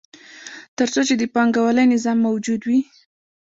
تر څو چې د پانګوالي نظام موجود وي